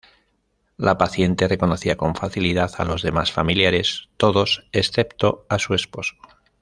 La paciente reconocía con facilidad a los demás familiares, todos excepto a su esposo.